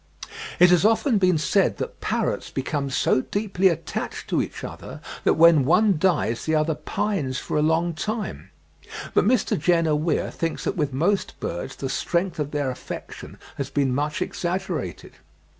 It has often been said that parrots become so deeply attached to each other that when one dies the other pines for a long time; but Mr. Jenner Weir thinks that with most birds the strength of their affection has been much exaggerated.